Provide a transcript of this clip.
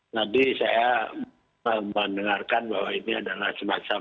tadi saya mendengarkan bahwa ini adalah semacam